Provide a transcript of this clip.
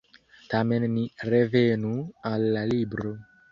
Tamen ni revenu al la libro.